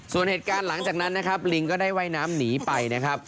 ส่วนเหตุการณ์หลังจากนั้นนะครับลิงก็ได้ว่ายน้ำหนีไปนะครับ